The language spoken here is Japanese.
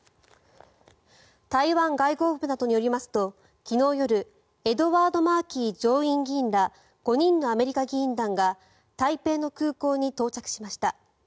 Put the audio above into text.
台湾外交部などによりますと昨日夜エドワード・マーキー上院議員ら５人のアメリカ議員団が台北の空港に到着しました。